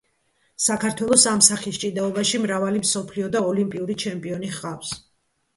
საქართველოს ამ სახის ჭიდაობაში მრავალი მსოფლიო და ოლიმპიური ჩემპიონი ჰყავს.